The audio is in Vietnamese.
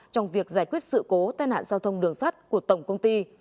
trong việc giải quyết sự cố tai nạn giao thông đường sắt của tổng công ty